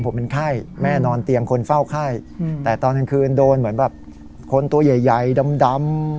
ผมเป็นไข้แม่นอนเตียงคนเฝ้าไข้แต่ตอนกลางคืนโดนเหมือนแบบคนตัวใหญ่ดำ